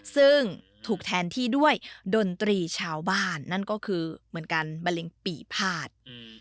ซึ่งถูกแทนที่ด้วยดนตรีชาวบ้านนั่นก็คือเหมือนกันมะเร็งปี่พาด